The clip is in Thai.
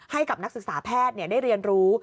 ให้กับนักศึกษาแพทย์ได้เรียนรู้